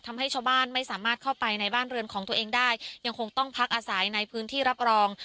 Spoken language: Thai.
ทำให้ชาวบ้านไม่สามารถเข้าไปในบ้านเรือนของตัวเองได้ยังคงต้องพักอาศัยในพื้นที่รับรอง